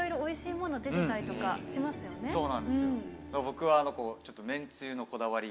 僕は。